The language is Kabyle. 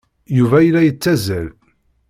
Yuba yella yettazzal.